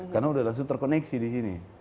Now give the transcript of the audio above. karena udah langsung terkoneksi di sini